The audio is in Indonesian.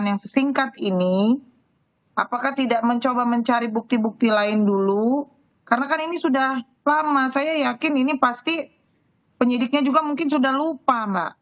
dan yang sesingkat ini apakah tidak mencoba mencari bukti bukti lain dulu karena kan ini sudah lama saya yakin ini pasti penyidiknya juga mungkin sudah lupa mbak